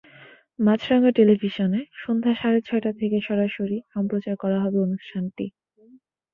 মাছরাঙা টেলিভিশনে সন্ধ্যা সাড়ে ছয়টা থেকে সরাসরি সম্প্রচার করা হবে অনুষ্ঠানটি।